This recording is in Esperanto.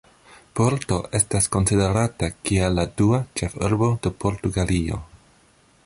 Porto estas konsiderata kiel la dua ĉefurbo de Portugalio.